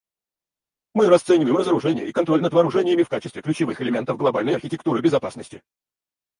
Мы расцениваем разоружение и контроль над вооружениями в качестве ключевых элементов глобальной архитектуры безопасности.